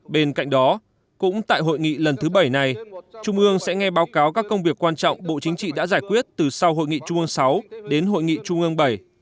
bên cạnh đó cũng tại hội nghị lần thứ bảy này trung ương sẽ nghe báo cáo các công việc quan trọng bộ chính trị đã giải quyết từ sau hội nghị trung ương sáu đến hội nghị trung ương bảy